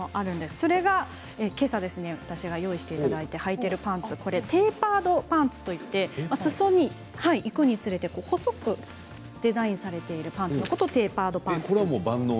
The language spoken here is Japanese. それが、けさ私が用意していただいてはいているパンツテーパードパンツといってすそにいくにつれて細くデザインされているパンツテーパードパンツなんです。